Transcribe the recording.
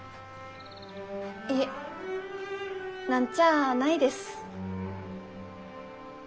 いえ何ちゃあないです。